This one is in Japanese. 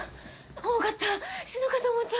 重かった死ぬかと思った。